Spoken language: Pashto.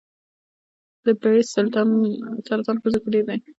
د بریسټ سرطان ښځو کې ډېر دی.